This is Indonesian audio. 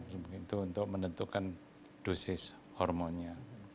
ibu itu untuk menentukan dosis hormonnya